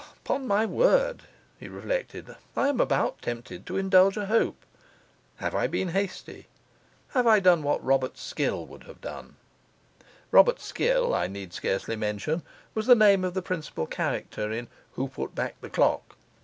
'Upon my word,' he reflected, 'I am about tempted to indulge a hope. Have I been hasty? Have I done what Robert Skill would have done?' Robert Skill (I need scarcely mention) was the name of the principal character in Who Put Back the Clock?